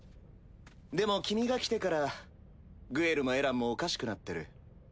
でも君が来てからグエルもエランもおかしくなってる。